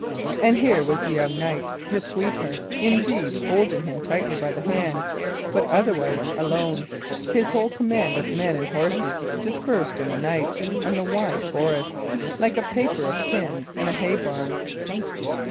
And here was the young knight, his sweetheart, indeed, holding him tightly by the hand, but otherwise alone, his whole command of men and horses dispersed in the night and the wide forest, like a paper of pins in a bay barn.